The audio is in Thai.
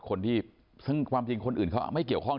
คนที่ซึ่งความจริงคนอื่นเขาไม่เกี่ยวข้อง